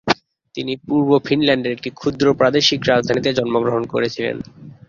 তিনি পূর্ব ফিনল্যান্ডের একটি ক্ষুদ্র প্রাদেশিক রাজধানীতে জন্মগ্রহণ করেছিলেন।